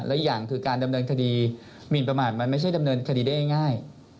และอีกอย่างคือการดำเนินคดีหมินประมาทมันไม่ใช่ดำเนินคดีได้ง่าย